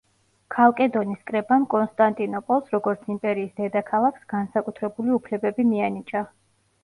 ქალკედონის კრებამ კონსტანტინოპოლს, როგორც იმპერიის დედაქალაქს, განსაკუთრებული უფლებები მიანიჭა.